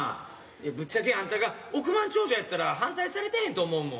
ぶっちゃけあんたが億万長者やったら反対されてへんと思うもん。